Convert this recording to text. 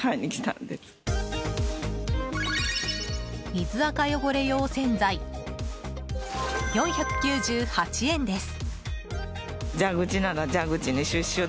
水アカ汚れ用洗剤４９８円です。